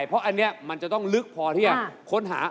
เพราะอันนี้มันจะต้องลึกพอที่จะค้นหา